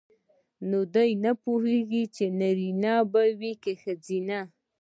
نو دوی نه پوهیږي چې نارینه به وي که ښځه.